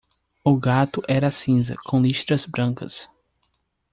O gato era cinza, com listras brancas.